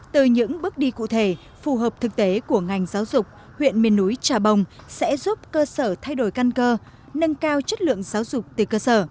từ những bước đi cụ thể phù hợp thực tế của ngành giáo dục huyện miền núi trà bồng sẽ giúp cơ sở thay đổi căn cơ nâng cao chất lượng giáo dục từ cơ sở